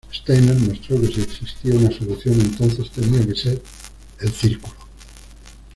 Steiner mostró que si existía una solución, entonces tenía que ser el círculo.